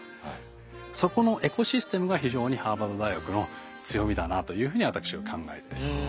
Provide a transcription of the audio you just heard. そこのエコシステムが非常にハーバード大学の強みだなというふうに私は考えています。